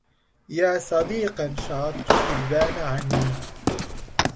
يا صديقا شعرت إذ بان عني